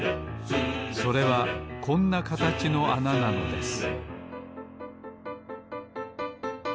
それはこんなかたちのあななのです